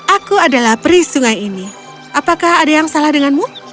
aku adalah peri sungai ini apakah ada yang salah denganmu